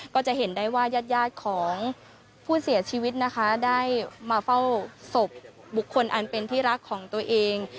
ก็จะเห็นได้ว่ายาดของผู้เสียชีวิตนะคะได้มาเฝ้าศพบุคคลอันเป็นที่รักของตัวเอง